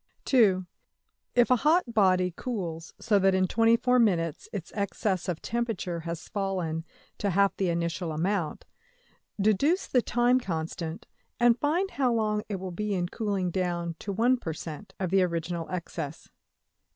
\Item{(2)} If a hot body cools so that in $24$~minutes its excess of temperature has fallen to half the initial amount, deduce the time constant, and find how long it will be in cooling down to $1$~per~cent.\ of the original excess.